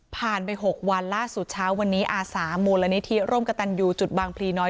ไป๖วันล่าสุดเช้าวันนี้อาสามูลนิธิร่มกระตันยูจุดบางพลีน้อย